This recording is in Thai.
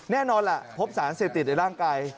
แน่นอนล่ะพบสารเสพติดในร่างกาย